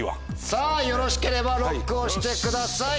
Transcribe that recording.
さぁよろしければＬＯＣＫを押してください！